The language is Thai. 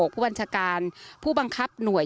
ผู้บัญชาการผู้บังคับหน่วย